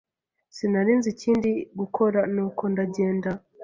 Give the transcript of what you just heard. Sinari nzi ikindi gukora, nuko ndagenda.